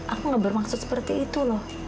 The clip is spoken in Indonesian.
aku gak bermaksud seperti itu loh